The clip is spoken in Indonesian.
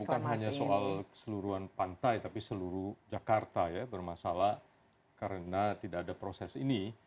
bukan hanya soal keseluruhan pantai tapi seluruh jakarta ya bermasalah karena tidak ada proses ini